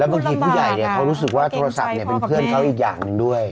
บางทีผู้ใหญ่เขารู้สึกว่าโทรศัพท์เป็นเพื่อนเขาอีกอย่างหนึ่งด้วย